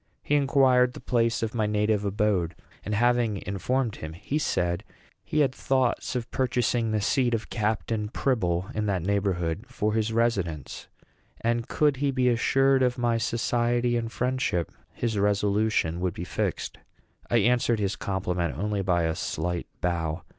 He inquired the place of my native abode; and, having informed him, he said he had thoughts of purchasing the seat of Captain Pribble, in that neighborhood, for his residence; and could he be assured of my society and friendship, his resolution would be fixed. I answered his compliment only by a slight bow.